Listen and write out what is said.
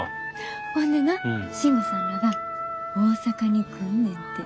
ほんでな信吾さんらが大阪に来んねんて。